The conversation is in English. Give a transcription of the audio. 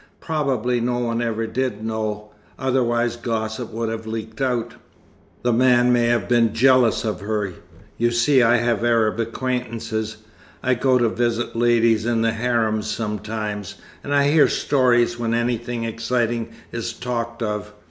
Probably no one ever did know, otherwise gossip would have leaked out. The man may have been jealous of her. You see, I have Arab acquaintances. I go to visit ladies in the harems sometimes, and I hear stories when anything exciting is talked of.